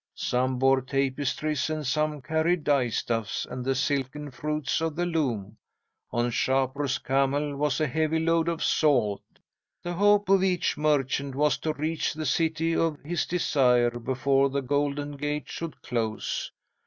Some bore tapestries, and some carried dyestuffs and the silken fruits of the loom. On Shapur's camel was a heavy load of salt. "'The hope of each merchant was to reach the City of his Desire before the Golden Gate should close.